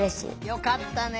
よかったね！